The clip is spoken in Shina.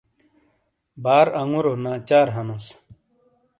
بار انگورو ناچار ہَنوس۔